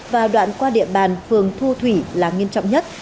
và đoạn qua địa bàn phường thu thủy là nghiêm trọng nhất